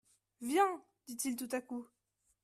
Viens ! dit-il tout à coup.